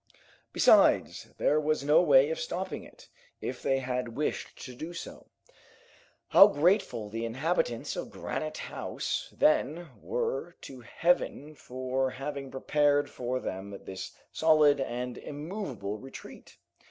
Besides, there was no way of stopping it, if they had wished to do so. How grateful the inhabitants of Granite House then were to Heaven for having prepared for them this solid and immovable retreat!